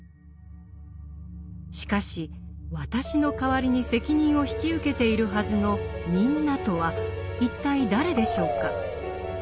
しかし「私」の代わりに責任を引き受けているはずの「みんな」とは一体誰でしょうか？